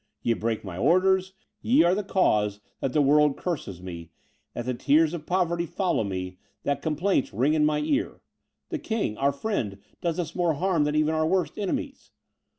Ye break my orders; ye are the cause that the world curses me, that the tears of poverty follow me, that complaints ring in my ear 'The king, our friend, does us more harm than even our worst enemies.'